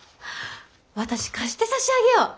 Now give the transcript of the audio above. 私貸して差し上げよう！